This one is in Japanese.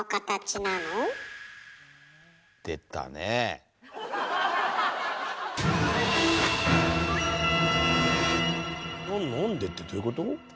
なんでってどういうこと？